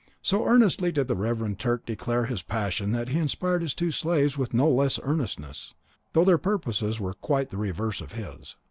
So earnestly did the reverend Turk declare his passion that he inspired his two slaves with no less earnestness, though their purposes were quite the reverse of his.